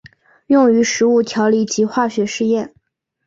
用于食物调理及化学实验。